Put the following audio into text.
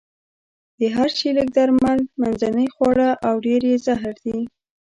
د هر شي لږ درمل، منځنۍ خواړه او ډېر يې زهر دي.